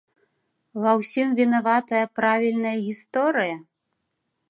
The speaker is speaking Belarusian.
Ва ўсім вінаватая правільная гісторыя?